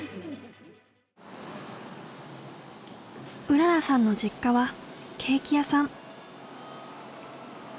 うららさんの実家はケーキ屋さん。